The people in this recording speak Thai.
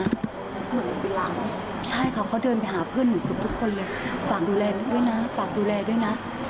เหมือนเวลาไหมใช่ค่ะเขาเดินไปหาเพื่อนหนูเกือบทุกคนเลยฝากดูแลหนูด้วยนะฝากดูแลด้วยนะ